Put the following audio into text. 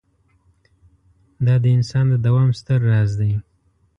دا د انسان د دوام ستر راز دی.